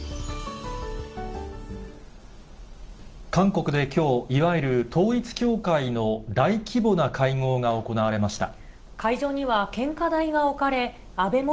韓国できょう、いわゆる統一教会の大規模な会合が行われました。